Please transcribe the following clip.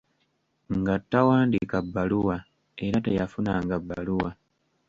Nga tawandiika bbaluwa era tiyafunanga bbaluwa.